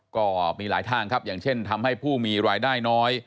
ก็มีหลายทางครับอย่างเช่นทำให้ผู้มีรายได้น้อย